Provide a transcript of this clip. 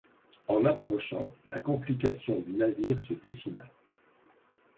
En approchant, la complication du navire se dessina.